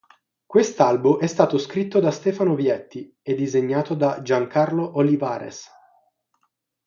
Quest'albo è stato scritto da Stefano Vietti e disegnato da Giancarlo Olivares.